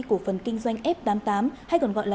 cổ phần kinh doanh f tám mươi tám hay còn gọi là